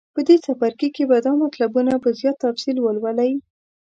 په دې څپرکي کې به دا مطلبونه په زیات تفصیل ولولئ.